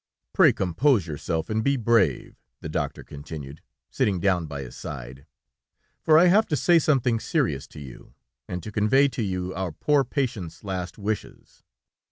"Pray compose yourself, and be brave," the doctor continued, sitting down by his side, "for I have to say something serious to you, and to convey to you our poor patient's last wishes....